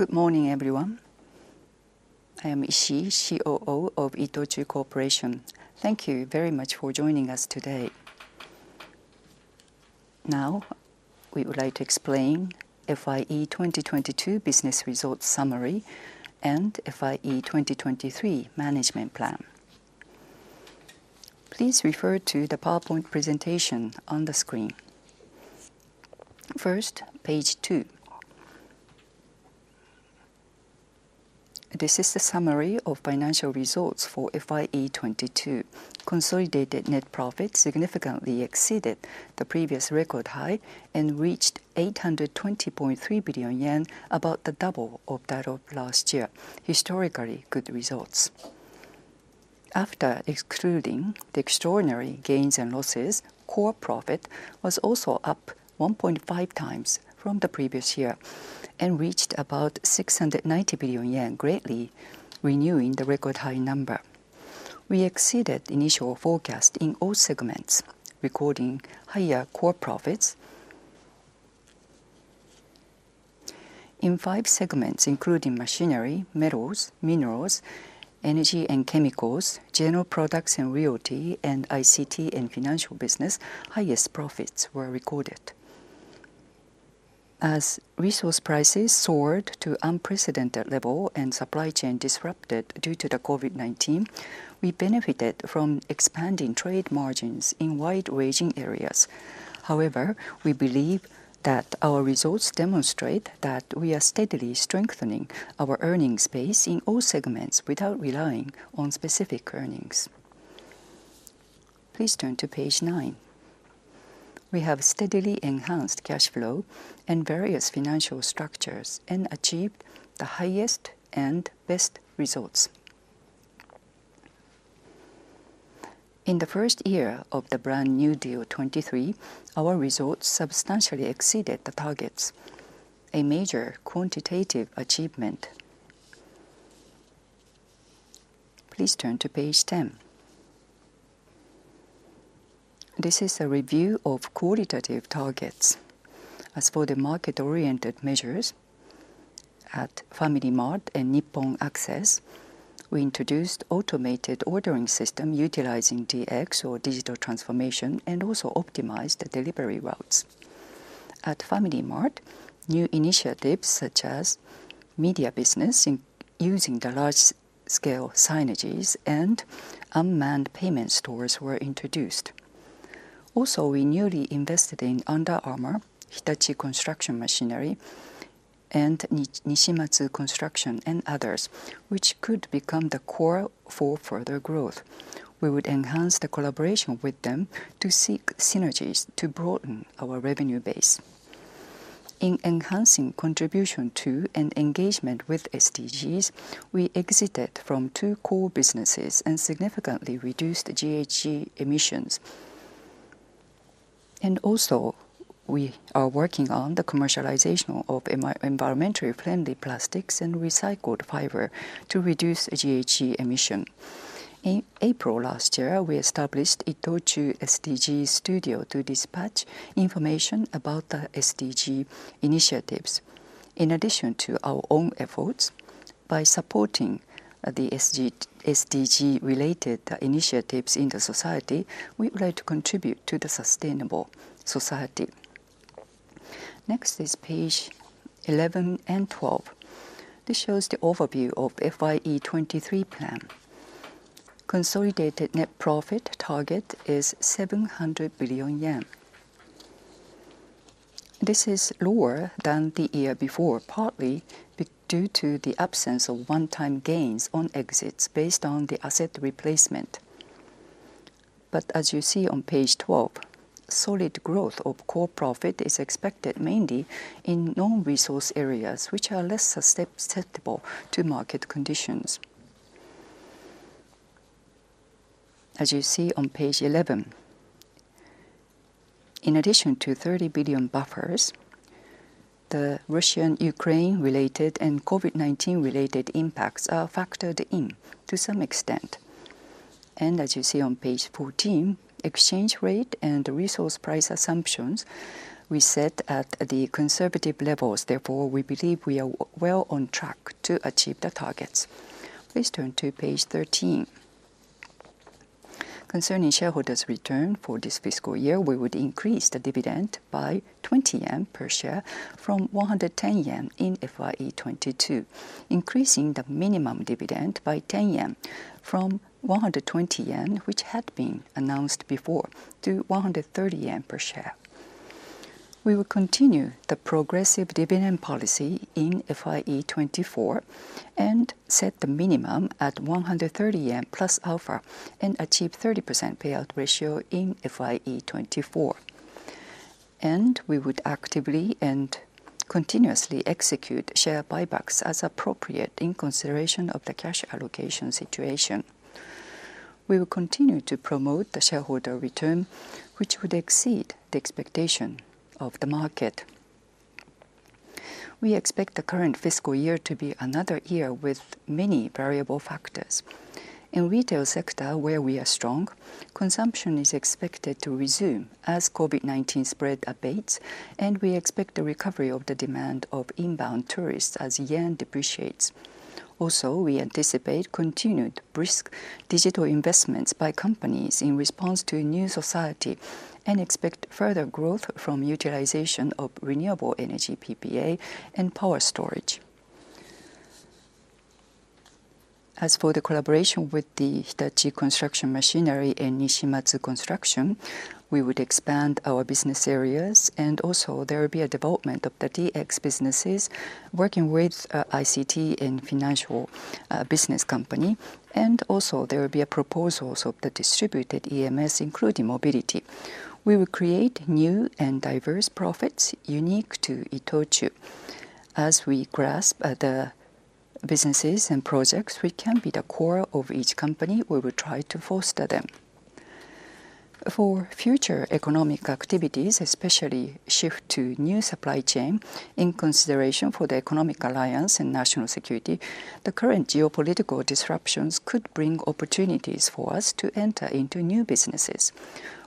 Good morning, everyone. I am Ishii, COO of ITOCHU Corporation. Thank you very much for joining us today. Now, we would like to explain FYE 2022 business results summary and FYE 2023 management plan. Please refer to the PowerPoint presentation on the screen. First, page two. This is the summary of financial results for FYE 2022. Consolidated net profit significantly exceeded the previous record high and reached 820.3 billion yen, about the double of that of last year. Historically good results. After excluding the extraordinary gains and losses, core profit was also up 1.5x from the previous year and reached about 690 billion yen, greatly renewing the record high number. We exceeded initial forecast in all segments, recording higher core profits. In five segments, including Machinery, Metals, Minerals, Energy and Chemicals, general products and realty, and ICT and financial business, highest profits were recorded. As resource prices soared to unprecedented level and supply chain disrupted due to the COVID-19, we benefited from expanding trade margins in wide-ranging areas. However, we believe that our results demonstrate that we are steadily strengthening our earnings base in all segments without relying on specific earnings. Please turn to page nine. We have steadily enhanced cash flow and various financial structures and achieved the highest and best results. In the first year of the Brand-new Deal 2023, our results substantially exceeded the targets, a major quantitative achievement. Please turn to page 10. This is a review of qualitative targets. As for the market-oriented measures at FamilyMart and Nippon Access, we introduced automated ordering system utilizing DX or digital transformation and also optimized the delivery routes. At FamilyMart, new initiatives such as media business in using the large-scale signages and unmanned payment stores were introduced. Also, we newly invested in Under Armour, Hitachi Construction Machinery, and Nishimatsu Construction and others, which could become the core for further growth. We would enhance the collaboration with them to seek synergies to broaden our revenue base. In enhancing contribution to and engagement with SDGs, we exited from two core businesses and significantly reduced GHG emissions. We are working on the commercialization of environmentally friendly plastics and recycled fiber to reduce GHG emission. In April last year, we established ITOCHU SDG Studio to dispatch information about the SDG initiatives. In addition to our own efforts, by supporting the SDG-related initiatives in the society, we would like to contribute to the sustainable society. Next is page 11 and 12. This shows the overview of FYE 2023 plan. Consolidated net profit target is 700 billion yen. This is lower than the year before, partly due to the absence of one-time gains on exits based on the asset replacement. As you see on page 12, solid growth of core profit is expected mainly in non-resource areas, which are less susceptible to market conditions. As you see on page 11, in addition to 30 billion buffers, the Russian/Ukraine-related and COVID-19-related impacts are factored in to some extent. As you see on page 14, exchange rate and resource price assumptions we set at the conservative levels, therefore, we believe we are well on track to achieve the targets. Please turn to page 13. Concerning shareholders' return for this fiscal year, we would increase the dividend by 20 yen per share from 110 yen in FYE 2022, increasing the minimum dividend by 10 yen from 120 yen, which had been announced before, to 130 yen per share. We will continue the progressive dividend policy in FYE 2024 and set the minimum at 130 yen plus alpha and achieve 30% payout ratio in FYE 2024. We would actively and continuously execute share buybacks as appropriate in consideration of the cash allocation situation. We will continue to promote the shareholder return, which would exceed the expectation of the market. We expect the current fiscal year to be another year with many variable factors. In retail sector, where we are strong, consumption is expected to resume as COVID-19 spread abates, and we expect a recovery of the demand of inbound tourists as yen depreciates. Also, we anticipate continued brisk digital investments by companies in response to a new society, and expect further growth from utilization of renewable Energy PPA and power storage. As for the collaboration with the Hitachi Construction Machinery and Nishimatsu Construction, we would expand our business areas, and also there will be a development of the DX businesses working with ICT and financial business company. There will be a proposal of the distributed EMS, including mobility. We will create new and diverse profits unique to ITOCHU. As we grasp the businesses and projects, we can be the core of each company. We will try to foster them. For future economic activities, especially shift to new supply chain in consideration for the economic alliance and national security, the current geopolitical disruptions could bring opportunities for us to enter into new businesses.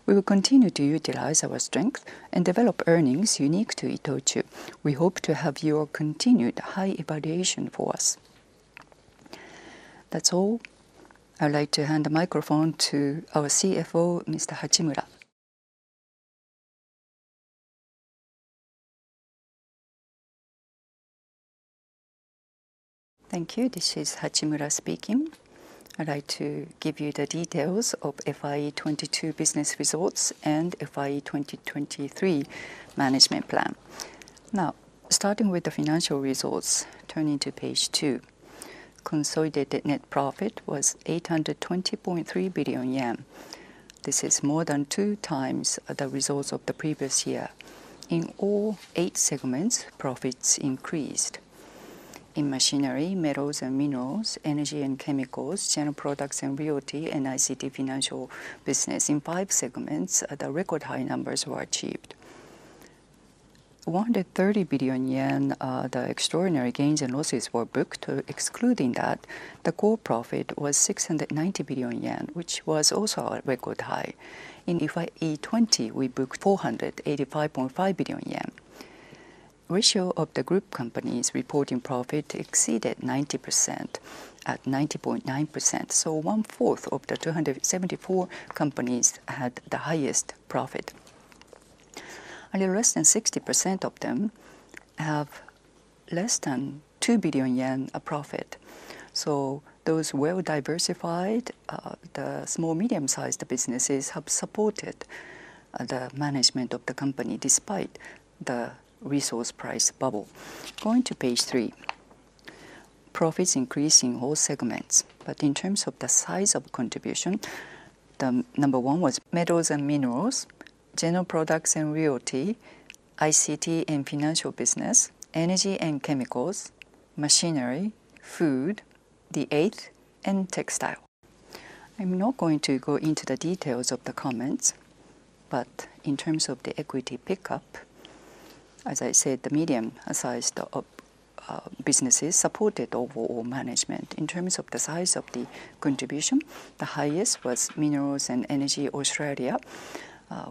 We will continue to utilize our strength and develop earnings unique to ITOCHU. We hope to have your continued high evaluation for us. That's all. I'd like to hand the microphone to our CFO, Mr. Hachimura. Thank you. This is Hachimura speaking. I'd like to give you the details of FYE 2022 business results and FYE 2023 management plan. Now, starting with the financial results, turning to page two. Consolidated net profit was 820.3 billion yen. This is more than two times the results of the previous year. In all eight segments, profits increased. In Machinery, Metals and Minerals, Energy and Chemicals, General Products and Realty, and ICT Financial Business. In five segments, the record high numbers were achieved. 130 billion yen, the extraordinary gains and losses were booked. Excluding that, the core profit was 690 billion yen, which was also a record high. In FYE 2020, we booked 485.5 billion yen. Ratio of the group companies reporting profit exceeded 90% at 90.9%, so 1/4 of the 274 companies had the highest profit. Less than 60% of them have less than 2 billion yen of profit. Those well-diversified, the small, medium-sized businesses have supported the management of the company despite the resource price bubble. Going to page three. Profits increased in all segments, but in terms of the size of contribution, the number one was Metals and Minerals, General Products and Realty, ICT and Financial Business, Energy and Chemicals, Machinery, Food, the eighth, and Textile. I'm not going to go into the details of the comments, but in terms of the equity pickup, as I said, the medium-sized of businesses supported overall management. In terms of the size of the contribution, the highest was Minerals and Energy Australia,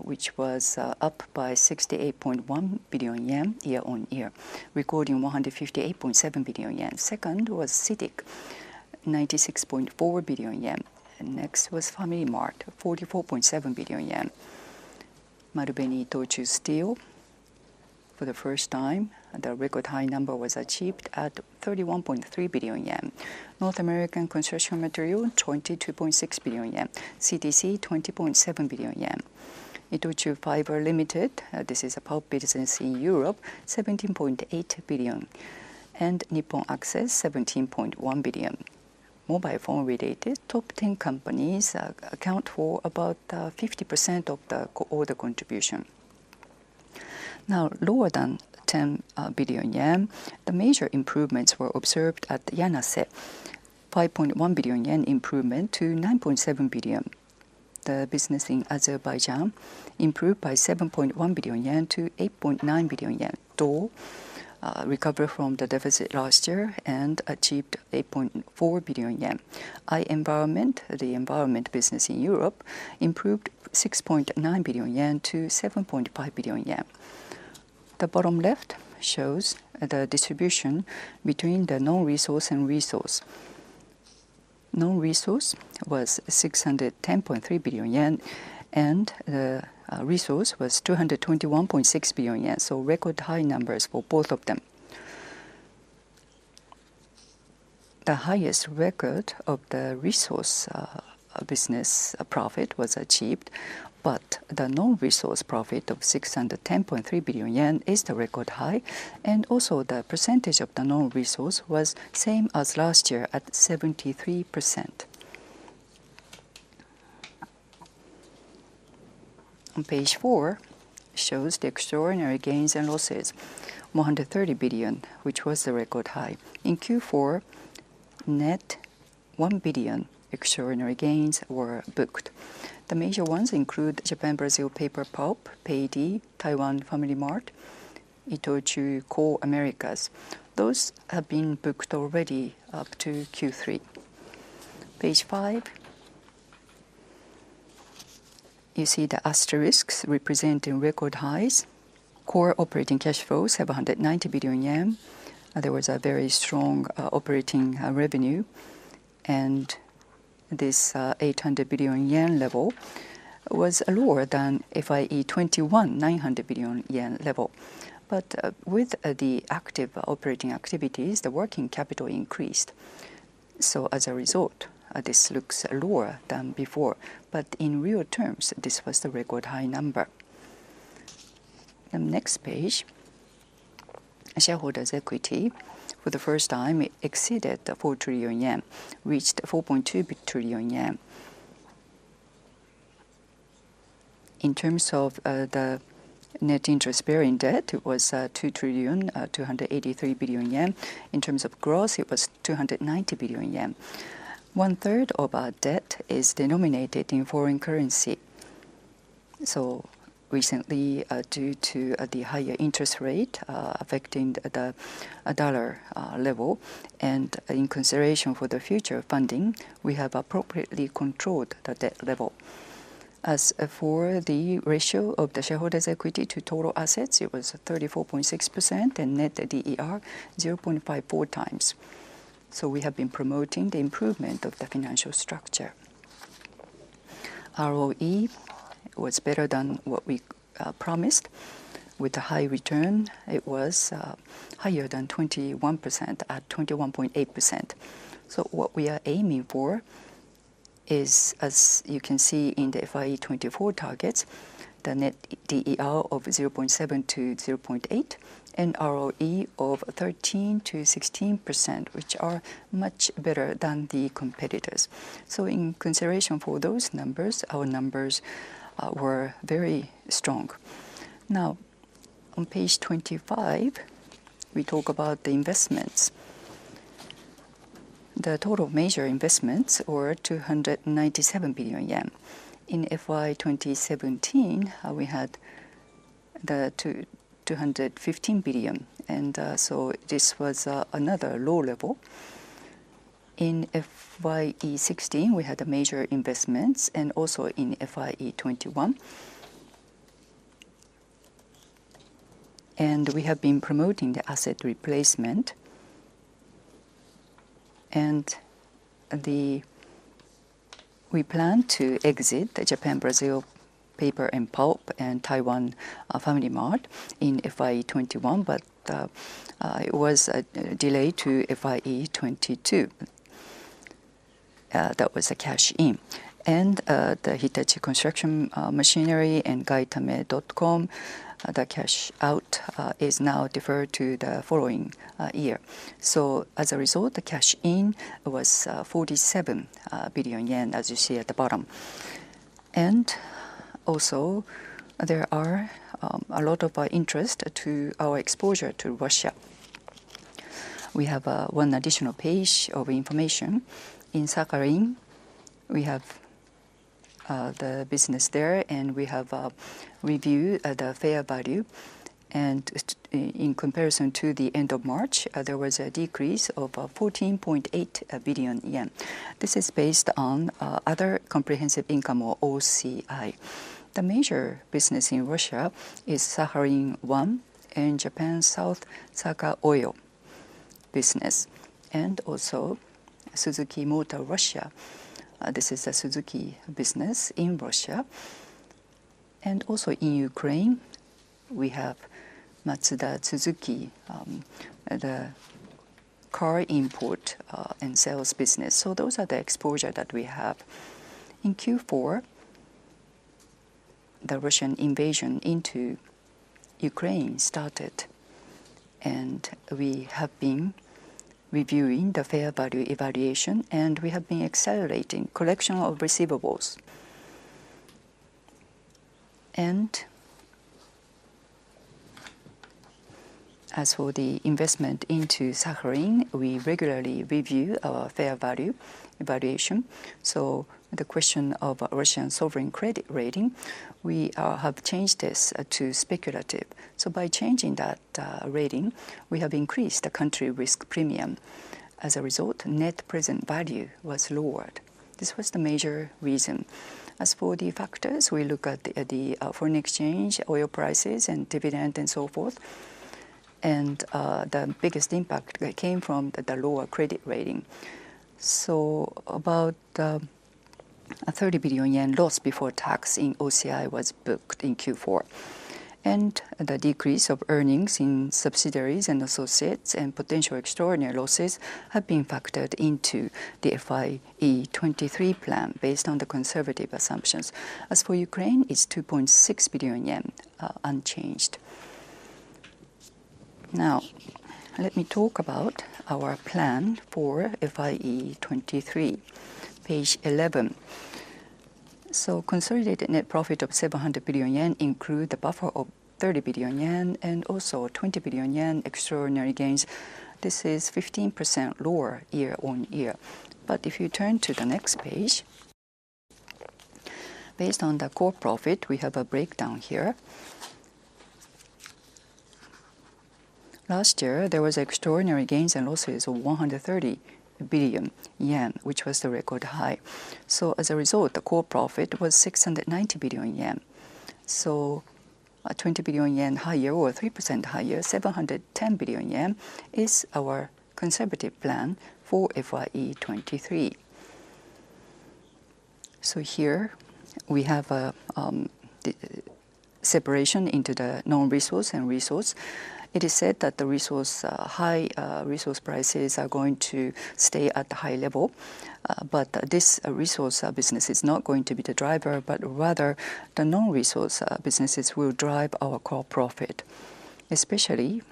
which was up by 68.1 billion yen year on year, recording 158.7 billion yen. Second was CITIC, 96.4 billion yen. Next was FamilyMart, 44.7 billion yen. Marubeni-Itochu Steel, for the first time, the record high number was achieved at 31.3 billion yen. North American Construction Material, 22.6 billion yen. CDC, 20.7 billion yen. ITOCHU FIBRE LIMITED, this is a pulp business in Europe, 17.8 billion. Nippon Access, 17.1 billion. Mobile phone related, top ten companies account for about 50% of the order contribution. Now, lower than 10 billion yen, the major improvements were observed at Yanase, 5.1 billion yen improvement to 9.7 billion. The business in Azerbaijan improved by 7.1 billion-8.9 billion yen. Dole recovered from the deficit last year and achieved 8.4 billion yen. I-Environment, the environment business in Europe, improved 6.9 billion-7.5 billion yen. The bottom left shows the distribution between the non-resource and resource. Non-resource was 610.3 billion yen, and the resource was 221.6 billion yen. Record high numbers for both of them. The highest record of the resource business profit was achieved, but the non-resource profit of 610.3 billion yen is the record high. The percentage of the non-resource was same as last year at 73%. On page four shows the extraordinary gains and losses. 130 billion, which was a record high. In Q4 net 1 billion extraordinary gains were booked. The major ones include Japan Brazil Paper and Pulp, Paidy, Taiwan FamilyMart, ITOCHU Coal Americas Inc. Those have been booked already up to Q3. Page five. You see the asterisks representing record highs. Core operating cash flows have 190 billion yen. There was a very strong operating revenue, and this 800 billion yen level was lower than FYE 2021, 900 billion yen level. With the active operating activities, the working capital increased. As a result, this looks lower than before. In real terms, this was the record high number. Next page, shareholders' equity for the first time exceeded 4 trillion yen, reached 4.2 trillion yen. In terms of the net interest-bearing debt, it was JPY 2.283 trillion. In terms of growth, it was 290 billion yen. 1/3 of our debt is denominated in foreign currency. Recently, due to the higher interest rate affecting the dollar level and in consideration for the future funding, we have appropriately controlled the debt level. As for the ratio of the shareholders' equity to total assets, it was 34.6% and net DER, 0.54x. We have been promoting the improvement of the financial structure. ROE was better than what we promised. With the high return, it was higher than 21% at 21.8%. What we are aiming for is, as you can see in the FYE 2024 targets, the net DER of 0.7x-0.8x and ROE of 13%-16%, which are much better than the competitors. In consideration for those numbers, our numbers were very strong. Now, on page 25, we talk about the investments. The total major investments were 297 billion yen. In FY 2017, we had 215 billion, so this was another low level. In FYE 2016, we had major investments and also in FYE 2021. We have been promoting the asset replacement. We plan to exit the Japan Brazil Paper and Pulp and Taiwan FamilyMart in FY 2021, but it was delayed to FYE 2022. That was a cash-in. The Hitachi Construction Machinery and Gaitame.com, the cash out, is now deferred to the following year. As a result, the cash in was 47 billion yen, as you see at the bottom. There are a lot of interest in our exposure to Russia. We have one additional page of information. In Sakhalin, we have the business there, and we have a review at a fair value. In comparison to the end of March, there was a decrease of 14.8 billion yen. This is based on other comprehensive income or OCI. The major business in Russia is Sakhalin-1 and Japan South Sakhalin Oil business, and also Suzuki Motor Rus. This is a Suzuki business in Russia. In Ukraine, we have Mazda Suzuki, the car import and sales business. Those are the exposures that we have. In Q4, the Russian invasion into Ukraine started, and we have been reviewing the fair value evaluation, and we have been accelerating collection of receivables. As for the investment into Sakhalin, we regularly review our fair value evaluation. The question of Russian sovereign credit rating, we have changed this to speculative. By changing that rating, we have increased the country risk premium. As a result, net present value was lowered. This was the major reason. As for the factors, we look at the foreign exchange, oil prices, and dividend and so forth. The biggest impact that came from the lower credit rating. About a 30 billion yen loss before tax in OCI was booked in Q4. The decrease of earnings in subsidiaries and associates and potential extraordinary losses have been factored into the FYE 2023 plan based on the conservative assumptions. As for Ukraine, it's 2.6 billion yen, unchanged. Now, let me talk about our plan for FYE 2023. Page eleven. Consolidated net profit of 700 billion yen include the buffer of 30 billion yen and also 20 billion yen extraordinary gains. This is 15% lower year-on-year. If you turn to the next page, based on the core profit, we have a breakdown here. Last year, there was extraordinary gains and losses of 130 billion yen, which was the record high. As a result, the core profit was 690 billion yen. 20 billion yen higher or 3% higher, 710 billion yen is our conservative plan for FYE 2023. Here we have the separation into the non-resource and resource. It is said that high resource prices are going to stay at the high level. This resource business is not going to be the driver, but rather the non-resource businesses will drive our core profit, especially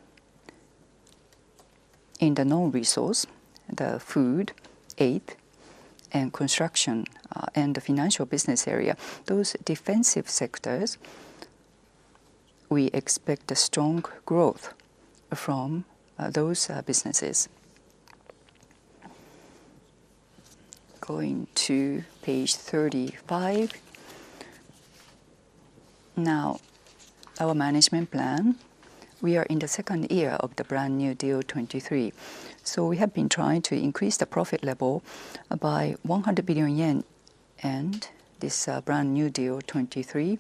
in the non-resource, the food, ICT, and construction, and the financial business area. Those defensive sectors, we expect a strong growth from those businesses. Going to page 35. Now, our management plan, we are in the second year of the Brand-new Deal 2023. We have been trying to increase the profit level by 100 billion yen. This Brand-new Deal 2023,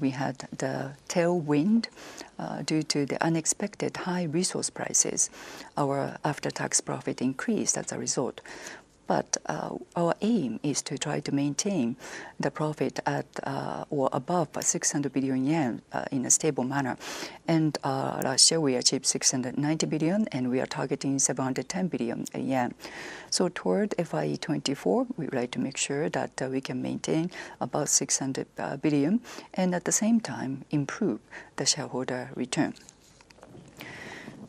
we had the tailwind due to the unexpected high resource prices. Our after-tax profit increased as a result. Our aim is to try to maintain the profit at or above 600 billion yen in a stable manner. Last year we achieved 690 billion, and we are targeting 710 billion yen. Toward FYE 2024, we would like to make sure that we can maintain about 600 billion, and at the same time improve the shareholder return.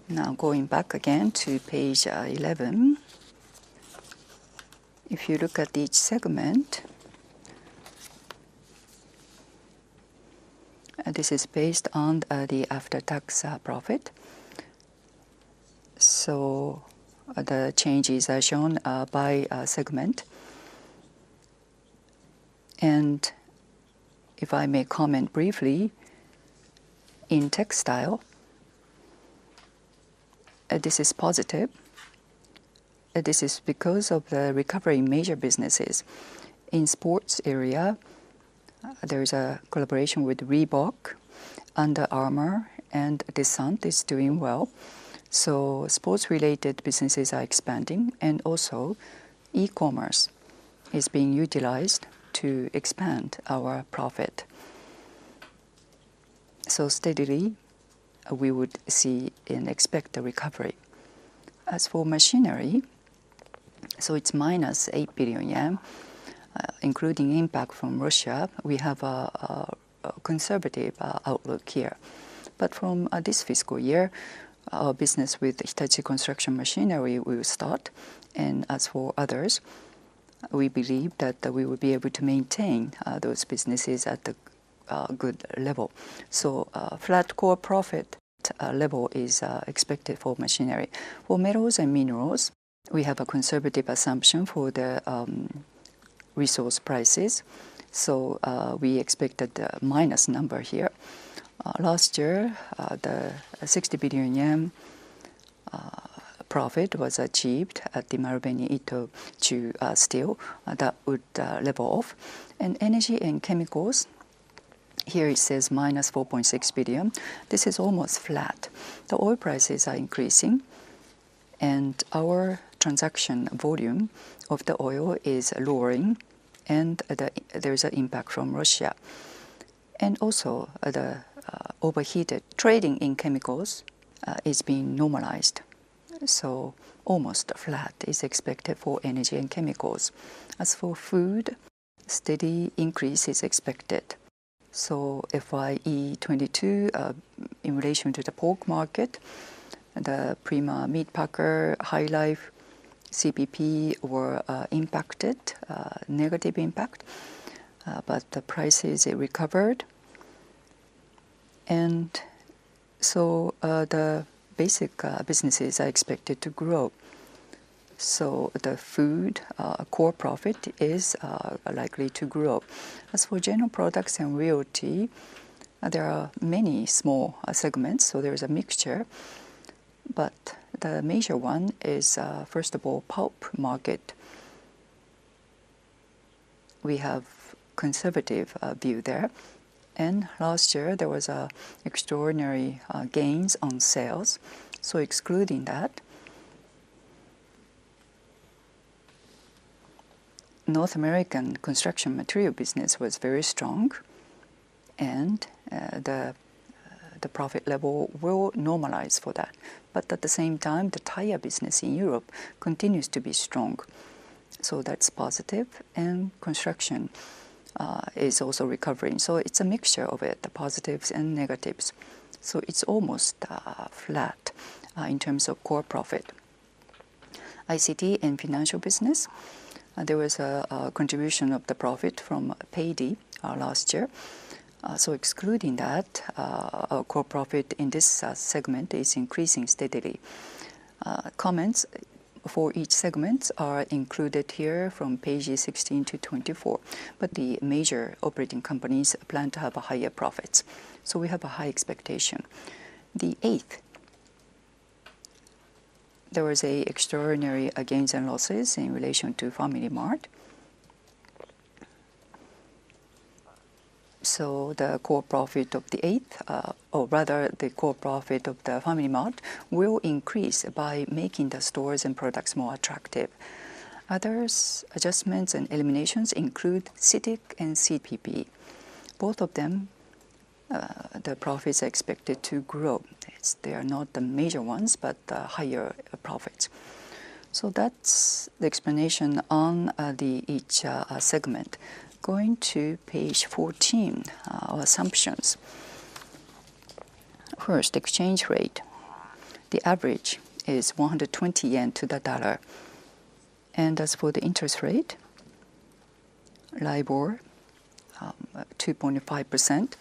Now going back again to page 11. If you look at each segment, this is based on the after-tax profit. The changes are shown by segment. If I may comment briefly, in textile this is positive. This is because of the recovery in major businesses. In sports area, there is a collaboration with Reebok, Under Armour, and Descente is doing well. Sports-related businesses are expanding, and also e-commerce is being utilized to expand our profit. Steadily, we would see and expect a recovery. As for Machinery, it's -8 billion yen, including impact from Russia. We have a conservative outlook here. From this fiscal year, our business with Hitachi Construction Machinery will start. As for others, we believe that we will be able to maintain those businesses at a good level. A flat core profit level is expected for Machinery. For Metals and Minerals, we have a conservative assumption for the resource prices. We expect a minus number here. Last year, the 60 billion yen profit was achieved at the Marubeni-Itochu Steel that would level off. In Energy and Chemicals, here it says -4.6 billion. This is almost flat. The oil prices are increasing, and our transaction volume of the oil is lowering, and there is an impact from Russia. Overheated trading in Chemicals is being normalized. Almost flat is expected for Energy and Chemicals. As for food, steady increase is expected. FYE 2022, in relation to the pork market, the Prima Meat Packers, HyLife, CPP were impacted, negative impact. The prices recovered. The basic businesses are expected to grow. The food core profit is likely to grow. As for general products and realty, there are many small segments, so there is a mixture. The major one is, first of all, pulp market. We have conservative view there. Last year, there was extraordinary gains on sales. Excluding that, North American construction material business was very strong, and the profit level will normalize for that. But at the same time, the tire business in Europe continues to be strong. That's positive. Construction is also recovering. It's a mixture of it, the positives and negatives, so it's almost flat in terms of core profit. ICT and financial business, there was a contribution of the profit from Paidy last year. Excluding that, core profit in this segment is increasing steadily. Comments for each segment are included here from page 16-24, but the major operating companies plan to have higher profits, so we have a high expectation. The eighth, there was extraordinary gains and losses in relation to FamilyMart. The core profit of the FamilyMart will increase by making the stores and products more attractive. Other adjustments and eliminations include CITIC and CPP. Both of them, the profits are expected to grow. They are not the major ones, but higher profits. That's the explanation on each segment. Going to page 14, our assumptions. First, exchange rate. The average is 120 yen to the dollar. As for the interest rate, LIBOR at 2.5%,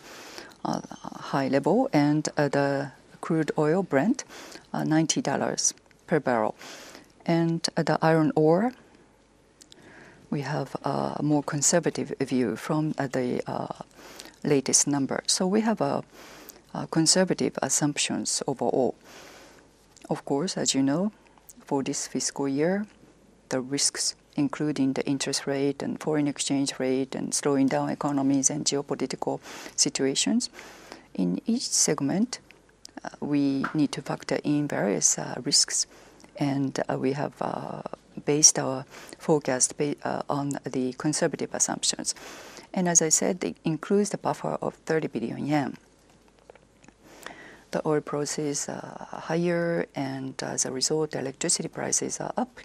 high level, and the crude oil Brent, $90 per barrel. The iron ore, we have a more conservative view from the latest numbers. We have conservative assumptions overall. Of course, as you know, for this fiscal year, the risks, including the interest rate and foreign exchange rate and slowing down economies and geopolitical situations, in each segment, we need to factor in various risks. We have based our forecast on the conservative assumptions. As I said, it includes the buffer of 30 billion yen. The oil price is higher, and as a result, electricity prices are up,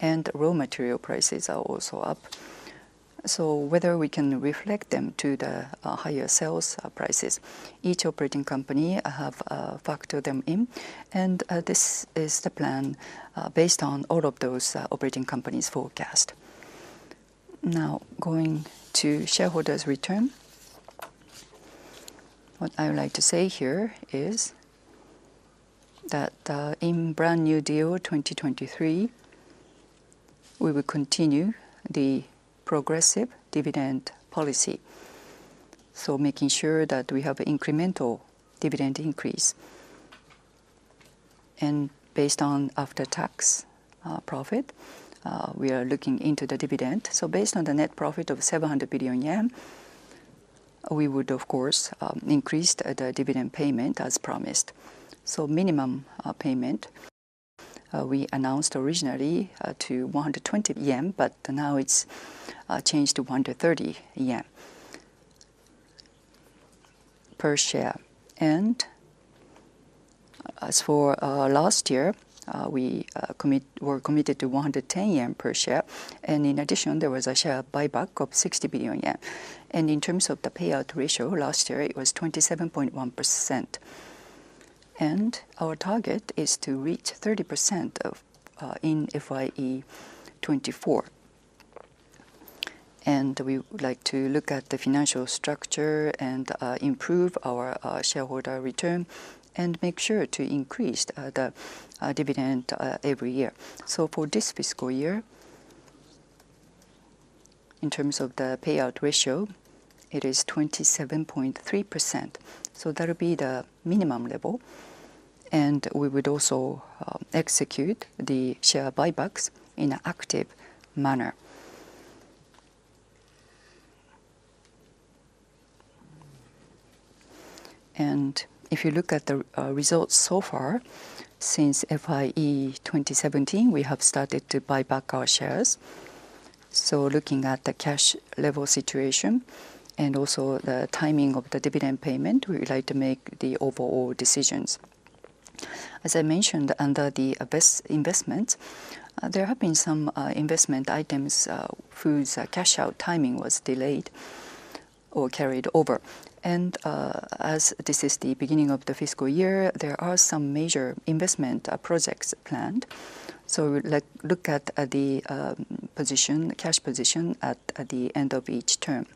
and raw material prices are also up. Whether we can reflect them to the higher sales prices, each operating company have factored them in, and this is the plan based on all of those operating companies' forecast. Now, going to shareholders' return. What I would like to say here is that, in Brand-new Deal 2023, we will continue the progressive dividend policy, so making sure that we have incremental dividend increase. Based on after-tax profit, we are looking into the dividend. Based on the net profit of 700 billion yen, we would, of course, increase the dividend payment as promised. Minimum payment we announced originally to 120 yen, but now it's changed to 130 yen per share. As for last year, we were committed to 110 yen per share. In addition, there was a share buyback of 60 billion yen. In terms of the payout ratio, last year it was 27.1%. Our target is to reach 30% of in FYE 2024. We would like to look at the financial structure and improve our shareholder return and make sure to increase the dividend every year. For this fiscal year, in terms of the payout ratio, it is 27.3%, so that'll be the minimum level. We would also execute the share buybacks in an active manner. If you look at the results so far, since FYE 2017, we have started to buy back our shares. Looking at the cash level situation and also the timing of the dividend payment, we would like to make the overall decisions. As I mentioned, under the investments, there have been some investment items whose cash-out timing was delayed or carried over. As this is the beginning of the fiscal year, there are some major investment projects planned. We would like to look at the position, the cash position at the end of each term.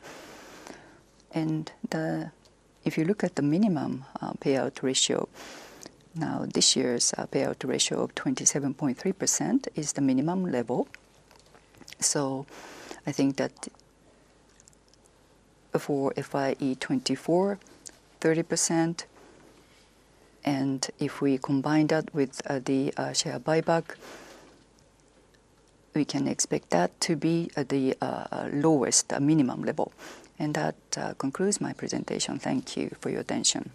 If you look at the minimum payout ratio, now this year's payout ratio of 27.3% is the minimum level. I think that for FYE 2024, 30%, and if we combine that with the share buyback, we can expect that to be at the lowest minimum level. That concludes my presentation. Thank you for your attention.